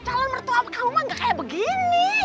calon mertua kamu mah gak kayak begini